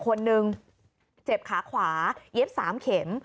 คนหนึ่งเจ็บขาขวาเย็บ๓เข็ม